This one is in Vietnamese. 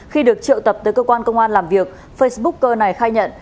khi được triệu tập tới cơ quan công an làm việc facebooker này khai nhận